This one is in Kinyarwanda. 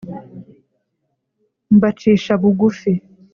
mbacisha bugufi